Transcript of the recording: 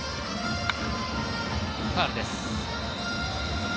ファウルです。